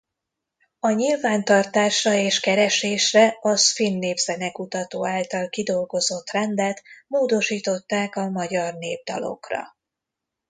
A nyilvántartásra és keresésre az finn népzenekutató által kidolgozott rendet módosították a magyar népdalokra.